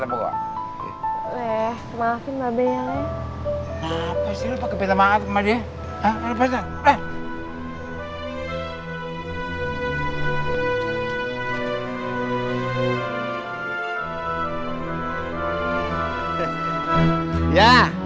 eh maafin mbak bek ya